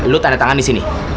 lu tanda tangan di sini